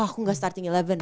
oh aku enggak starting eleven